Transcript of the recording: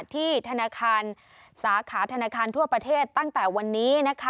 ที่ธนาคารสาขาธนาคารทั่วประเทศตั้งแต่วันนี้